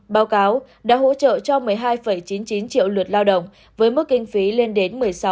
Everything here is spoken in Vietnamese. báo cáo đã hỗ trợ cho một mươi hai chín mươi chín triệu lượt lao động với mức kinh phí lên đến